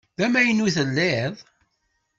D amaynu i telliḍ?